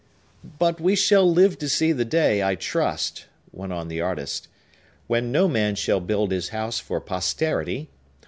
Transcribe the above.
"But we shall live to see the day, I trust," went on the artist, "when no man shall build his house for posterity.